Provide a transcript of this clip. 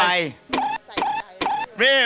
ใส่ใจด้วย